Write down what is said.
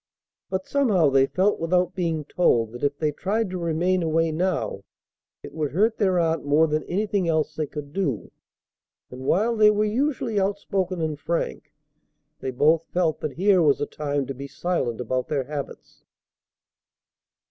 But somehow they felt without being told that if they tried to remain away now it would hurt their aunt more than anything else they could do; and, while they were usually outspoken and frank, they both felt that here was a time to be silent about their habits.